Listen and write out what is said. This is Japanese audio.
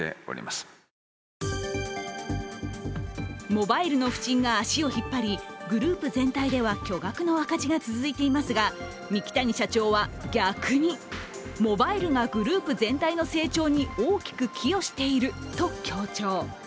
モバイルの不振が足を引っ張り、グループ全体では巨額の赤字が続いていますが三木谷社長は逆にモバイルがグループ全体の成長に大きく寄与していると強調。